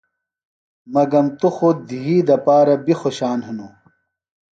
مگم توۡ خوۡ دھی دپارہ بیۡ خوشان ہِنوۡ۔